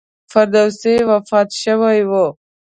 فردوسي وفات شوی و.